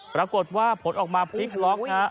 ปรากฏว่าผลออกมาพลิกล็อกฮะ